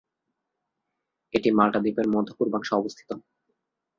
এটি মাল্টা দ্বীপের মধ্য-পূর্বাংশে অবস্থিত।